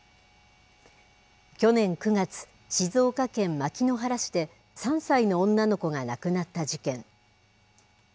去年９月、静岡県牧之原市で、３歳の女の子が亡くなった事件。